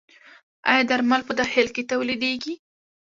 آیا درمل په داخل کې تولیدیږي؟